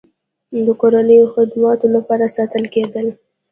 د کورنیو خدماتو لپاره ساتل کېدل.